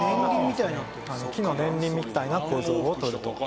木の年輪みたいな構造を取ると。